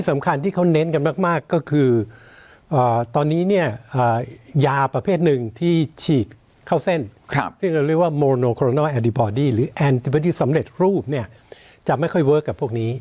อ่ายาประเภทหนึ่งที่ฉีดเข้าเส้นครับที่เราเรียกว่าหรือแอนติบ็อตยูสำเร็จรูปเนี่ยจะไม่ค่อยเวิร์กกับพวกนี้